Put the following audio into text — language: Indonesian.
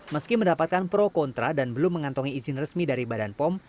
meski mendapatkan pro kontra dan belum mengantongi izin resmi dari badan pom